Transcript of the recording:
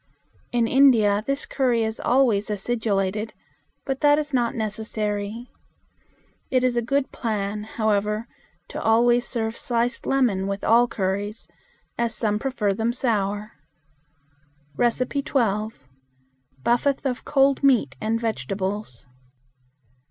In India this curry is always acidulated, but that is not necessary. It is a good plan, however, to always serve sliced lemon with all curries, as some prefer them sour. 12. Buffath of Cold Meat and Vegetables.